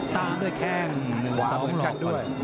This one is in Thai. ตามด้วยแข้ง๑๒หลอก